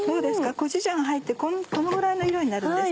コチュジャン入ってこのぐらいの色になるんですね。